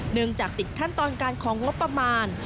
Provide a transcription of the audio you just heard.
เนื่องจากติดขั้นตอนการของงบประมาณ